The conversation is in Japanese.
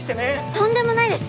とんでもないです！